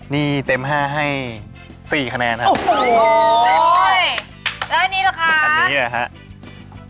นี่เต็ม๕ให้๔คะแนนครับ